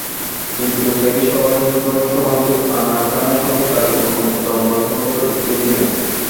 কিন্তু প্যারিসপ্রবাসী শিল্প-সমালোচক আনা ইসলামের সঙ্গে তাঁর গোপন অন্তরঙ্গ সম্পর্ক দীর্ঘ দিনের।